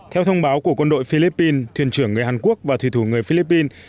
theo thông báo của quân đội philippines thuyền trưởng người hàn quốc và thủy thủ người philippines